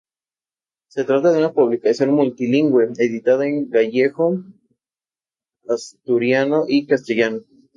Se trataba de una publicación multilingüe, editada en gallego, asturiano y castellano.